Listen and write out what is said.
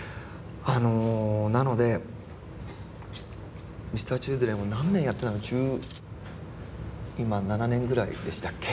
あのなのでＭｒ．ｃｈｉｌｄｒｅｎは何年やってた今１７年ぐらいでしたっけ？